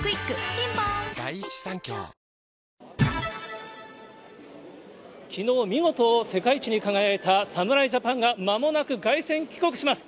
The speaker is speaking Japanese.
ピンポーンきのう、見事世界一に輝いた侍ジャパンが、まもなく凱旋帰国します。